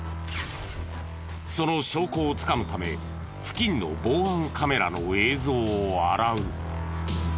その証拠をつかむため付近の防犯カメラの映像を洗う。